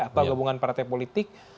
atau gabungan partai politik